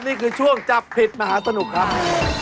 นี่คือช่วงจับผิดมหาสนุกครับ